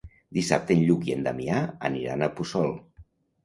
Dissabte en Lluc i en Damià aniran a Puçol.